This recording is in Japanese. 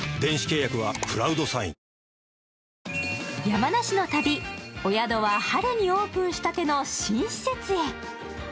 山梨の旅、お宿は春にオープンしたての新施設へ。